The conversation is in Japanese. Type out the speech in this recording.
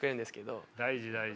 大事大事。